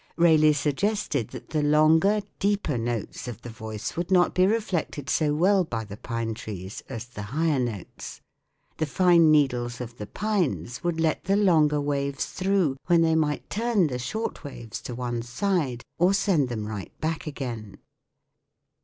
Rayleigh suggested that the longer, deeper notes of the voice would not be reflected so well by the pine trees as the higher notes. The fine needles of the pines would let the longer waves through when they might turn the short waves to one side or send them right back again.